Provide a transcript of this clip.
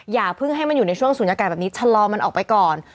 อย่าเพิ่งให้มันอยู่ในช่วงศูนยากาศแบบนี้ชะลอมันออกไปก่อน